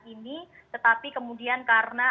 ini tetapi kemudian karena